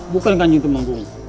bukan kanjeng temenggung